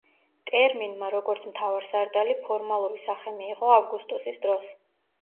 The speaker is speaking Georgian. ტერმინმა როგორც მთავარსარდალი ფორმალური სახე მიიღო ავგუსტუსის დროს.